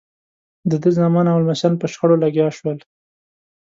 د ده زامن او لمسیان په شخړو لګیا شول.